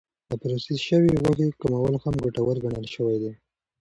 د پروسس شوې غوښې کمول هم ګټور ګڼل شوی دی.